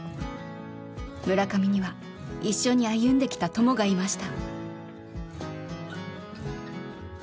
村上には一緒に歩んできた「戦友」がいました。